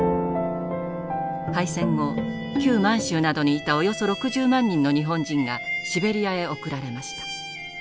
敗戦後旧満州などにいたおよそ６０万人の日本人がシベリアへ送られました。